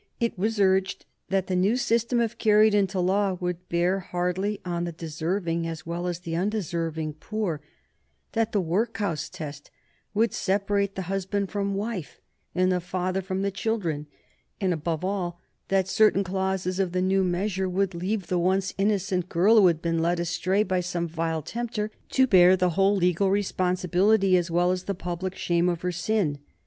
It was urged that the new system, if carried into law, would bear hardly on the deserving as well as the undeserving people; that the workhouse test would separate the husband from wife, and the father from the children; and, above all, that certain clauses of the new measure would leave the once innocent girl who had been led astray by some vile tempter to bear the whole legal responsibility as well as the public shame of her sin.